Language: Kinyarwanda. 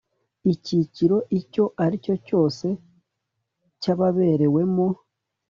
icyiciro icyo ari cyo cyose cy ababerewemo